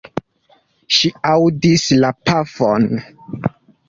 Ŝi aŭdis la pafon.